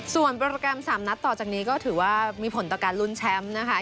ส่วนโปรแกรม๓นัดต่อจากนี้ก็ถือว่ามีผลต่อการลุ้นแชมป์นะคะ